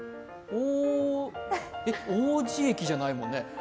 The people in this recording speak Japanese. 王子駅じゃないもんね。